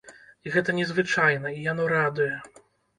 Гэта незвычайна, і яно радуе.